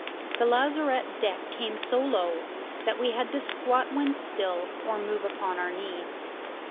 The lazarette deck came so low that we had to squat when still or move upon our knees.